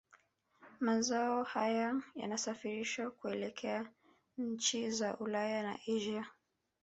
Mazao haya yanasafirishwa kuelekea nchi za Ulaya na Asia